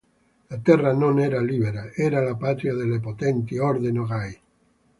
La terra non era libera, era la patria delle potenti orde Nogai.